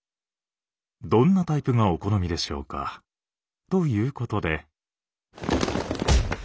どんなタイプがお好みでしょうか？ということで。